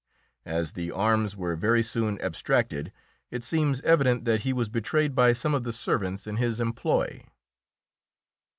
As the arms were very soon abstracted, it seems evident that he was betrayed by some of the servants in his employ.